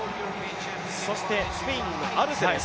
そしてスペインのアルセです。